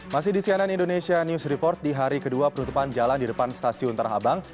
masih di cnn indonesia news report di hari kedua penutupan jalan di depan stasiun tanah abang